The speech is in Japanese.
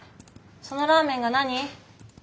そのラーメンが何？